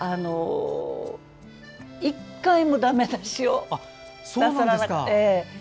１回も、だめ出しをなさらなくて。